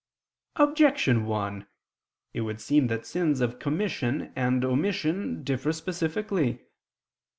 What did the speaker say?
Objection 1: It would seem that sins of commission and omission differ specifically.